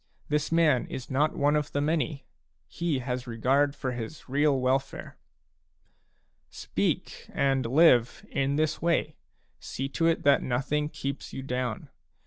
This man is not one of the many ; he has regard for his real welfare." Speak, and live, in this way ; see to it that nothing keeps you down.